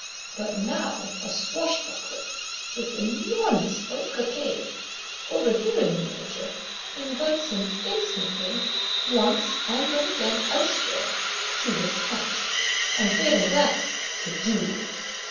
But now a swashbuckler, with enormous white cockade, overhearing the Major, invites him insolently, once and then again elsewhere, to recant; and failing that, to duel.